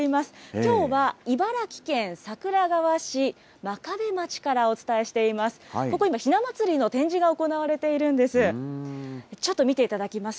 きょうは茨城県桜川市真壁町からお伝えしています。